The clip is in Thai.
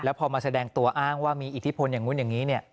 พอมาแสดงตัวอ้างว่ามีอิทธิพลอย่างนู้นอย่างนี้